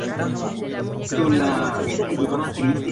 Esto dificultaba cualquier acuerdo de apoyo a Perú frente a España.